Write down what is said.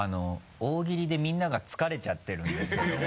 大喜利でみんなが疲れちゃってるんですけど。